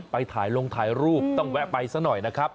ไปถ่ายลงถ่ายรูปต้องแวะไปซะหน่อยนะครับ